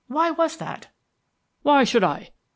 Why was that?" "Why should I?"